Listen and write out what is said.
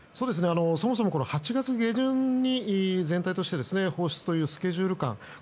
そもそも８月下旬に全体として放出というスケジュール感。